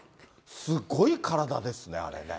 すごい体ですね、あれね。